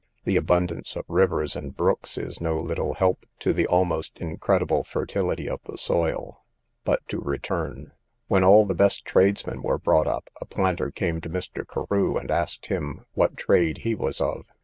The abundance of rivers and brooks is no little help to the almost incredible fertility of the soil. But to return.—When all the best tradesmen were bought up, a planter came to Mr. Carew, and asked him what trade he was of. Mr.